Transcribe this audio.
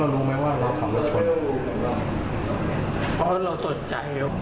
แล้วสนใจ